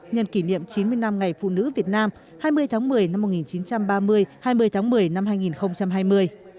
nhân kỷ niệm chín mươi năm ngày phụ nữ việt nam hai mươi tháng một mươi năm một nghìn chín trăm ba mươi hai mươi tháng một mươi năm hai nghìn hai mươi